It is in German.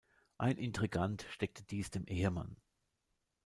Ein Intrigant steckte dies dem Ehemann.